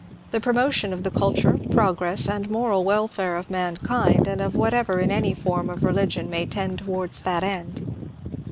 The promotion of the culture, progress, and moral welfare of mankind, and of whatever in any form of religion may tend towards that end.